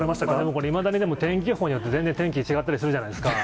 これ、いまだに天気予報によって、全然、天気違ったりするじゃないですか。